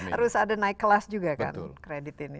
harus ada naik kelas juga kan kredit ini